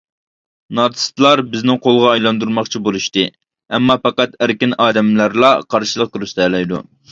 ناتسىستلار بىزنى قۇلغا ئايلاندۇرماقچى بولۇشتى، ئەمما پەقەت ئەركىن ئادەملەرلا قارشىلىق كۆرسىتەلەيدۇ!